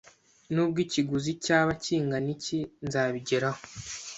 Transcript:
Nubwo ikiguzi cyaba kingana iki, nzabigeraho